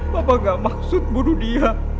bapak gak maksud bunuh dia